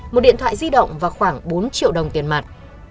một điện thoại di động và khoảng bốn triệu đồng tiền mặt